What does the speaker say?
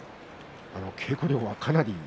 稽古量はかなり。